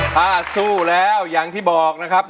ถ้าสู้แล้วอย่างที่บอกนะครับ